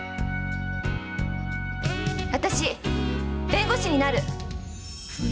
私弁護士になる！